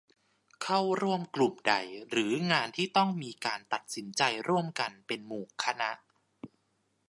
เข้าร่วมกลุ่มใดหรืองานที่ต้องมีการตัดสินใจร่วมกันเป็นหมู่คณะ